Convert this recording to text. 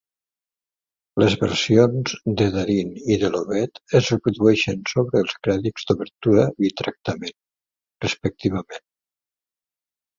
Les versions de Darin i de Lovett es reprodueixen sobre els crèdits d'obertura i de tancament, respectivament.